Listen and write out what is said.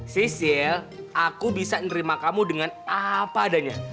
sisil aku bisa nerima kamu dengan apa adanya